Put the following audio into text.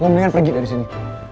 mendingan pergi dari sini